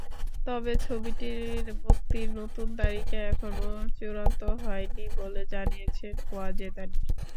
তবে ছবিটির মুক্তির নতুন তারিখ এখনো চূড়ান্ত হয়নি বলে জানিয়েছেন ওয়াজেদ আলী।